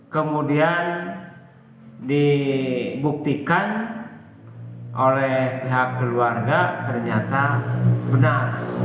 kemudian dibuktikan oleh pihak keluarga ternyata benar